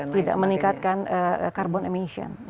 tidak meningkatkan carbon emission